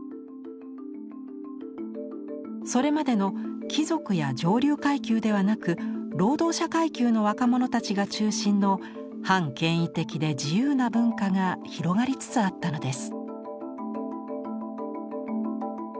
それまでの貴族や上流階級ではなく労働者階級の若者たちが中心の反権威的で自由な文化が広がりつつあったのです。